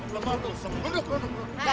lemah lo semuanya